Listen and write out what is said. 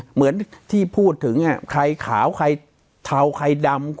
เหมือนที่พูดถึงใครขาวใครเทาใครดำ